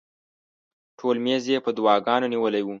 ټول میز یې په دواګانو نیولی و.